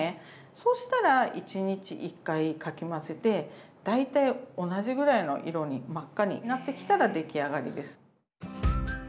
そうしたら１日１回かき混ぜて大体同じぐらいの色に真っ赤になってきたらできあがりです。